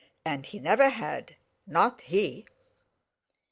And he never had, not he!